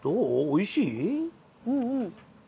おいしい？